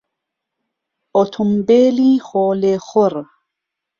ئۆتۆمبێلی خۆلێخوڕ